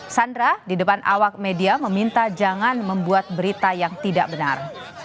sandra di depan awak media meminta jangan membuat berita yang tidak benar